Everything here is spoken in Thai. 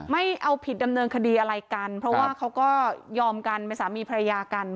ไม่เอาผิดดำเนินคดีอะไรกันเพราะว่าเขาก็ยอมกันเป็นสามีภรรยากัน